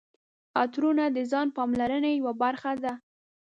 عطرونه د ځان پاملرنې یوه برخه ده.